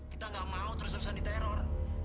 kita gak mau terus terusan di teror